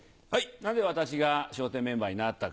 なぜ私が笑点メンバーになったか。